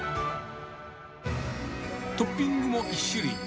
トッピングも１種類。